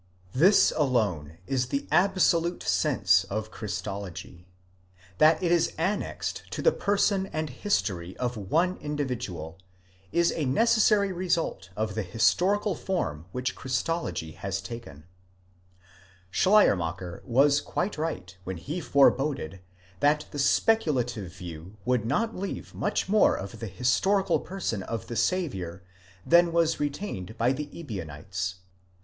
7 This alone is the absolute sense of Christology: that it is annexed to the person and history of one individual, is a necessary result of the historical form which Christology has taken, Schleiermacher was quite right when he foreboded, that the speculative view would not leave much more of the his torical person of the Saviour than was retained by the Ebionites.